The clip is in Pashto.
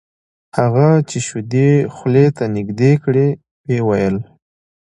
هغه چې شیدې خولې ته نږدې کړې ویې ویل: